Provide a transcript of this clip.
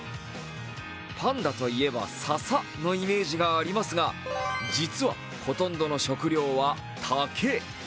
パンダといえば笹のイメージがありますが実は、ほとんどの食料は竹。